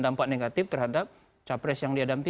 dampak negatif terhadap cawapres yang dianggap